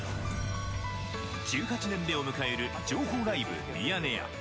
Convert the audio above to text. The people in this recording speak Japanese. １８年目を迎える情報ライブミヤネ屋。